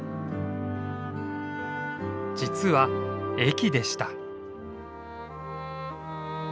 実は駅でした。